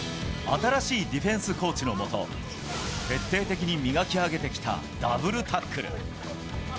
新しいディフェンスコーチの下、徹底的に磨き上げてきたダブルタックル。